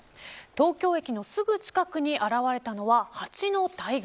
東京駅のすぐ近くに現れたのはハチの大群。